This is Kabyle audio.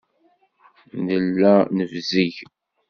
Nella nebzeg.